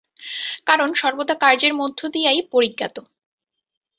কারণ সর্বদা কার্যের মধ্য দিয়াই পরিজ্ঞাত।